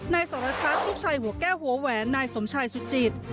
นายสรชัดลูกชายหัวแก้วหัวแหวนนายสมชายสุจิต